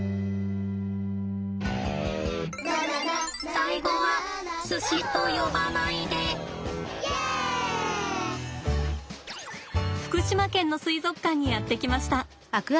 最後は福島県の水族館にやって来ました。